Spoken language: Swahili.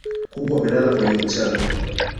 Kuku amelala kwenye mchanga.